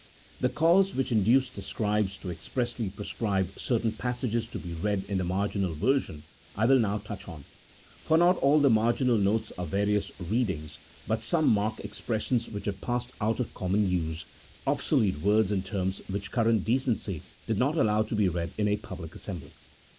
The •cause which induced the scribes to expressly prescribe certain passages to be read in the marginal version, I will now touch on, for not all the marginal notes are various readings, but some mark expressions which have passed out of common use, obsolete words and terms which current decency did not allow to be read in a public assembly.